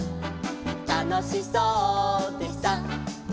「たのしそうでさ」